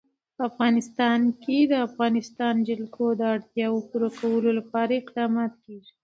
په افغانستان کې د د افغانستان جلکو د اړتیاوو پوره کولو لپاره اقدامات کېږي.